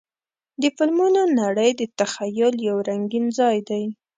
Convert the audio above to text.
د فلمونو نړۍ د تخیل یو رنګین ځای دی.